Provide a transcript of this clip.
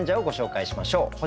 楽しみましょう。